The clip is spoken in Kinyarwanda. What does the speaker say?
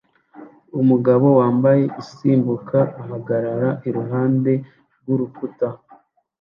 Umugabo wambaye isimbuka ahagarara iruhande rwurukuta